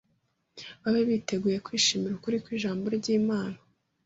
babe biteguye kwishimira ukuri kw’ijambo ry’Imana